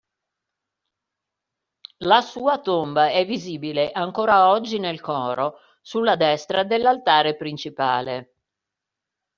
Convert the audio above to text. La sua tomba è visibile ancora oggi nel coro, sulla destra dell'altare principale.